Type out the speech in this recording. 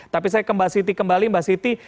tapi saya kembali ke mbak siti